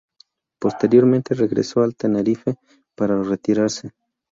Posteriormente regresó al Tenerife para retirarse.